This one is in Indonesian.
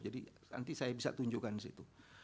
jadi nanti saya bisa tunjukkan di situ